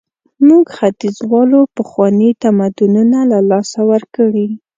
موږ ختیځوالو پخواني تمدنونه له لاسه ورکړي.